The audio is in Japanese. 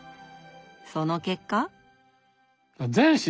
その結果。